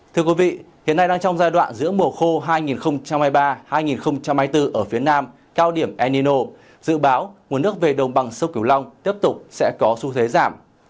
thưa quý vị hiện nay đang trong giai đoạn giữa mùa khô hai nghìn hai mươi ba hai nghìn hai mươi bốn ở phía nam cao điểm enino dự báo nguồn nước về đồng bằng sông cửu long tiếp tục sẽ có xu thế giảm